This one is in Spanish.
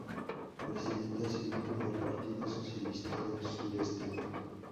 Presidente, asimismo, del Partido Socialista del Sureste.